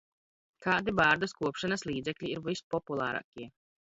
Kādi bārdas kopšanas līdzekļi ir vispopulārākie?